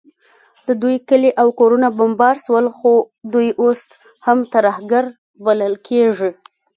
د دوی کلي او کورونه بمبار سول، خو دوی اوس هم ترهګر بلل کیږي